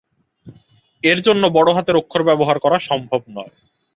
এর জন্য বড় হাতের অক্ষর ব্যবহার করা সম্ভব নয়।